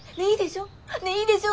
ねぇいいでしょ？